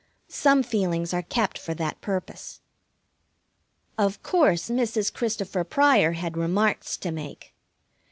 Some feelings are kept for that purpose. Of course, Mrs. Christopher Pryor had remarks to make.